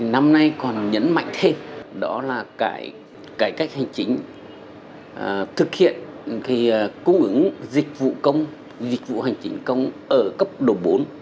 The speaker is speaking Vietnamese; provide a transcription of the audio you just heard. năm nay còn nhấn mạnh thêm đó là cái cải cách hành chính thực hiện cung ứng dịch vụ công dịch vụ hành chính công ở cấp độ bốn